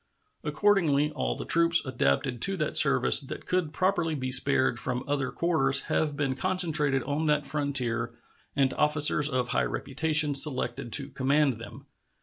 Accordingly, all the troops adapted to that service that could properly be spared from other quarters have been concentrated on that frontier and officers of high reputation selected to command them.